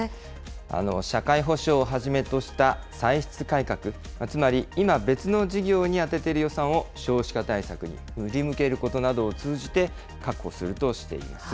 社会保障をはじめとした歳出改革、つまり今、別の事業に充てている予算を少子化対策に振り向けることなどを通じて、確保するとしています。